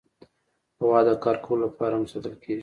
غوا د کار کولو لپاره هم ساتل کېږي.